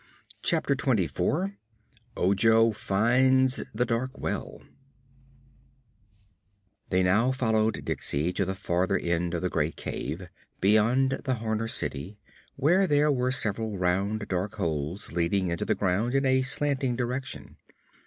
Chapter Twenty Four Ojo Finds the Dark Well They now followed Diksey to the farther end of the great cave, beyond the Horner city, where there were several round, dark holes leading into the ground in a slanting direction.